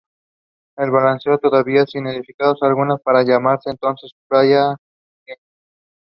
He was member of the Bihar Progressive writer association.